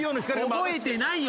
覚えてないよ。